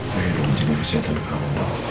saya ingin menjadi kesehatan kamu